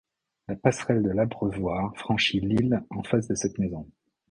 La passerelle de l'Abreuvoir franchit l'Ill en face de cette maison.